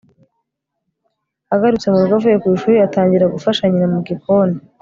Agarutse mu rugo avuye ku ishuri atangira gufasha nyina mu gikoni